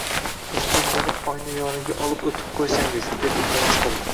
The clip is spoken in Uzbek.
Endi meni oyna yoniga olib oʻtib qoʻysangiz, deb iltimos qildi